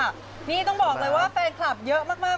นี่ต้องบอกเลยว่าแฟนคลับเยอะมาก